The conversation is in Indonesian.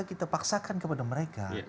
kita paksakan kepada mereka